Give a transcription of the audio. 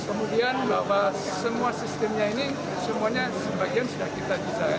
kemudian bahwa semua sistemnya ini semuanya sebagian sudah kita desain